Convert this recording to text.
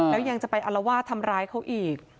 แล้วยังจะไปอลวาดทำร้ายเขาอีก